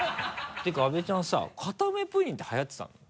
ていうか阿部ちゃんさ固めプリンってはやってたの？